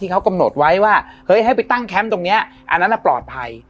เขากำหนดไว้ว่าเฮ้ยให้ไปตั้งแคมป์ตรงนี้อันนั้นปลอดภัย